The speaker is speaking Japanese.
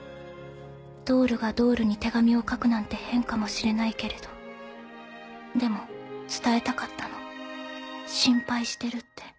ドールがドールに手紙を書くなんて変かもしれないけれどでも伝えたかったの心配してるって。